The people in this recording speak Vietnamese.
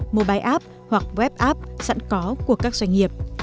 mobile app hoặc web app sẵn có của các doanh nghiệp